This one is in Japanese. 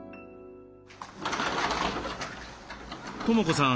知子さん